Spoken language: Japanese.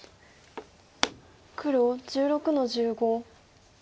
黒１６の十五。